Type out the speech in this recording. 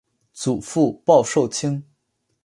祖父鲍受卿。